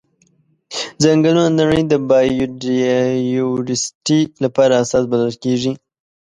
ځنګلونه د نړۍ د بایوډایورسټي لپاره اساس بلل کیږي.